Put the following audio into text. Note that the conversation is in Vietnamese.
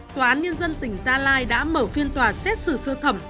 tòa án nhân dân tỉnh gia lai đã mở phiên tòa xét xử sơ thẩm